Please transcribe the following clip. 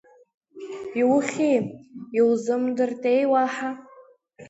Иухьи, иузымдыртеи уаҳа…